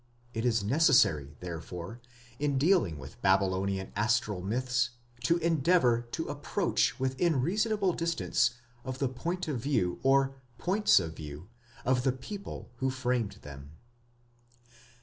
It is necessary, therefore, in dealing with Babylonian astral myths to endeavour to approach within reasonable distance of the point of view, or points of view, of the people who framed them.